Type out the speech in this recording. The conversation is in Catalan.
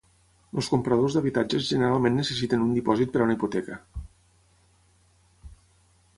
Els compradors d'habitatges generalment necessiten un dipòsit per a una hipoteca.